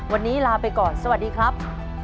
วันนี้ลาไปก่อนสวัสดีครับ